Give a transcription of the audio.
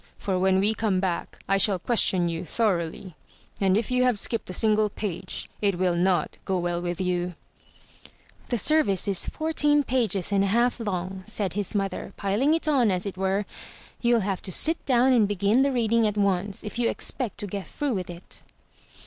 For when we come back, I shall question you thoroughly; and if you have skipped a single page, it will not go well with you/' The service is fourteen pages and a half long,'' said his mother, piling it on, as it were. "You'll have to sit down and begin the reading at once, if you expect to get through with it."